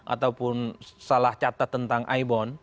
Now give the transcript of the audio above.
ataupun salah catat tentang ibon